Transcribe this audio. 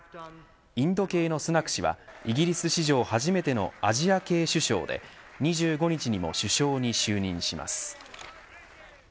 インド系のスナク氏はイギリス史上初めてのアジア系首相で２５日にも首相に就任します。